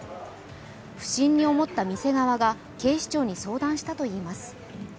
不審に思った店側が警視庁に相談したといいます。